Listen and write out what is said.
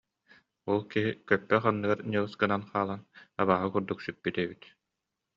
Ол киһи көппөх анныгар ньылыс гынан хаалан абааһы курдук сүппүт эбит